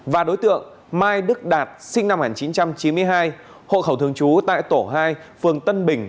và đối tượng mai đức đạt sinh năm một nghìn chín trăm chín mươi hai hộ khẩu thường trú tại tổ hai phường tân bình